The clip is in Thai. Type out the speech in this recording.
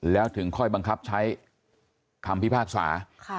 แล้วถึงค่อยบังคับใช้คำพิพากษา